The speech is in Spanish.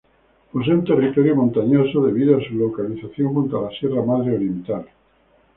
Posee un territorio montañoso, debido a su localización junto a la Sierra Madre Oriental.